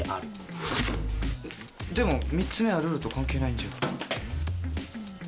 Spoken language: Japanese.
でも３つ目はルールと関係ないんじゃ？